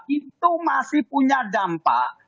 itu masih punya dampak